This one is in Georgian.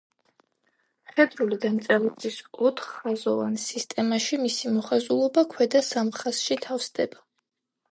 მხედრული დამწერლობის ოთხხაზოვან სისტემაში მისი მოხაზულობა ქვედა სამ ხაზში თავსდება.